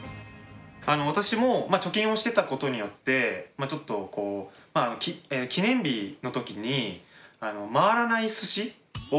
私も貯金をしてたことによってちょっと記念日の時に回らないすしを。